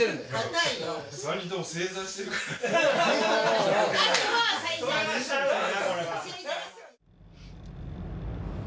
・３人とも正座してるから。